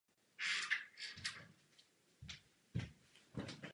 Uvnitř byly ploché stropy.